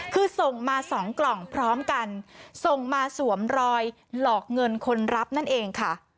คือส่งมาสองกล่องพร้อมกันส่งมาสวมรอยหลอกเงินคนรับนั่นเองค่ะ